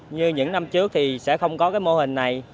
như những năm trước thì sẽ không có cái mô hình này